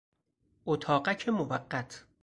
اتاقک موقت